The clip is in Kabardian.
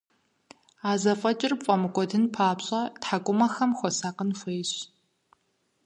А зэфӀэкӀыр пфӀэмыкӀуэдын папщӀэ, тхьэкӀумэхэм хуэсакъын хуейщ.